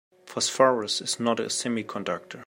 Phosphorus is not a semiconductor.